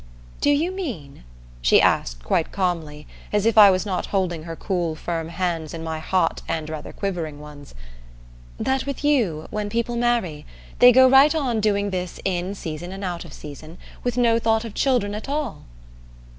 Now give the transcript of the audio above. "Do you mean," she asked quite calmly, as if I was not holding her cool firm hands in my hot and rather quivering ones, "that with you, when people marry, they go right on doing this in season and out of season, with no thought of children at all?"